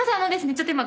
ちょっと今。